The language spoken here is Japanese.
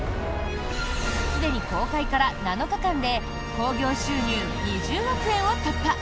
すでに公開から７日間で興行収入２０億円を突破。